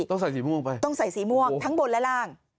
ต้องใส่สีม่วงไปต้องใส่สีม่วงทั้งบนและล่าง